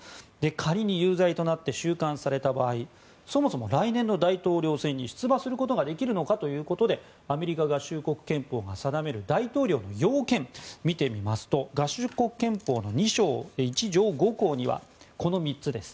仮に有罪となって収監された場合そもそも、来年の大統領選に出馬することができるのかということでアメリカ合衆国憲法が定める大統領の要件を見てみますと合衆国憲法の２章１条５項にはこの３つです